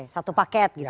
satu paket gitu ya